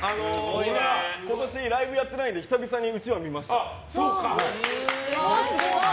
今年ライブやってないので久々にうちわ見ました。